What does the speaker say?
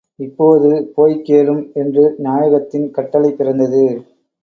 இப்போது போய்க் கேளும் —என்று நாயகத்தின் கட்டளை பிறந்தது.